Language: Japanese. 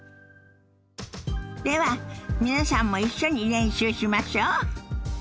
では皆さんも一緒に練習しましょ。